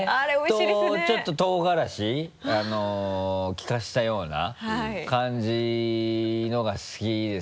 それとちょっと唐辛子きかせたような感じのが好きですね。